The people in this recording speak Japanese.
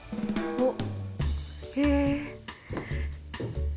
おっ。